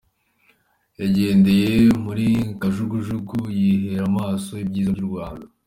Yagendeye muri kajugujugu yihera amaso ibyiza by'u Rwanda.